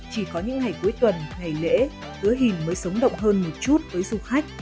chỉ có những ngày cuối tuần ngày lễ hứa hình mới sống động hơn một chút với du khách